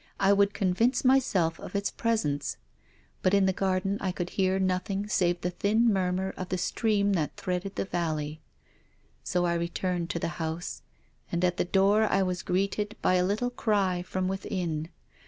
I would convince myself of its presence. But in the garden I could hear nothing save the thin murmur of the stream that threaded the valley. So I returned to the house, and at the door I was greeted by a little cry from within.